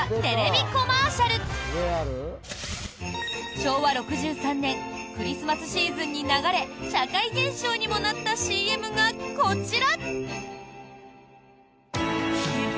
昭和６３年クリスマスシーズンに流れ社会現象にもなったＣＭがこちら！